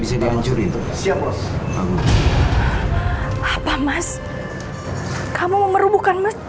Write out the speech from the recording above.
seharusnya aku yang marah